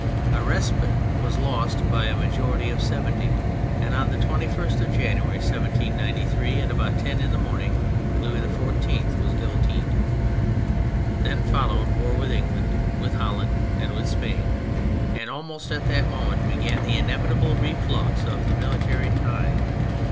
A respite was lost by a majority of 70; and on the 21st of January, 1793, at about ten in the morning, Louis XVI was guillotined. Then followed war with England, with Holland, and with Spain; and almost at that moment began the inevitable reflux of the military tide.